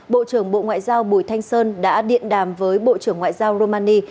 bộ trưởng bộ ngoại giao bùi thanh sơn đã điện đàm với bộ trưởng ngoại giao rumani